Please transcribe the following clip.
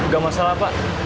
gak masalah pak